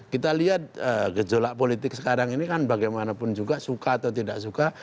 kita lihat gejolak politik sekarang ini kan bagaimanapun juga suka atau tidak suka